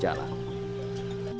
dari tepi jalan